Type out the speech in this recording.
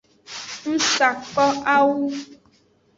Ng sa ko awuwo.